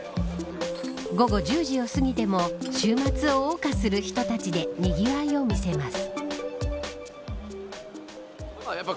午後１０時を過ぎても週末をおう歌する人たちでにぎわいを見せます。